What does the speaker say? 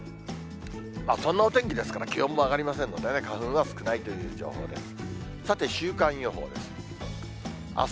そんなお天気ですから、気温も上がりませんのでね、花粉は少ないという情報です。